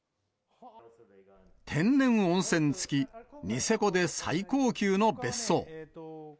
天然温泉付き、ニセコで最高級の別荘。